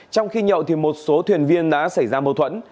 trong khi nhậu thì một số thuyền viên đã xảy ra mâu thuẫn